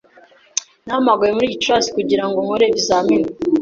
Nahamagawe muri Gicurasi kugira ngo nkore ibizamini